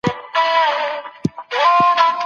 اقتصادي پرمختيا کولای سي د خلګو ژوند هوسا کړي.